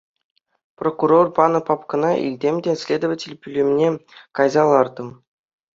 Прокурор панӑ папкӑна илтӗм те следователь пӳлӗмне кайса лартӑм.